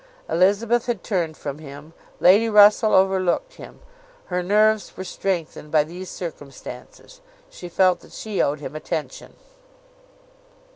Elizabeth had turned from him, Lady Russell overlooked him; her nerves were strengthened by these circumstances; she felt that she owed him attention.